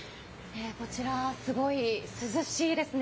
こちら、すごい涼しいですね。